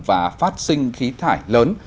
và phát sinh khí thải lớn